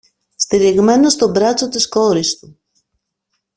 στηριγμένος στο μπράτσο της κόρης του